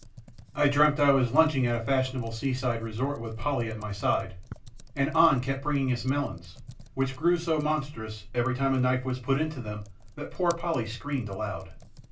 I dreamt I was lunching at a fashionable seaside resort with Polly at my side, and An kept bringing us melons, which grew so monstrous every time a knife was put into them that poor Polly screamed aloud.